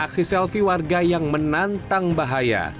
aksi selfie warga yang menantang bahaya